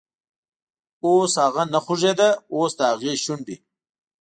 اوس هغه نه خوږیده، اوس دهغې شونډې،